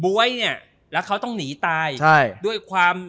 บ๊วยและเขาต้องหนีตาย